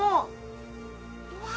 うわ！